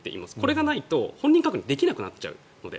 これがないと、本人確認できなくなっちゃうので。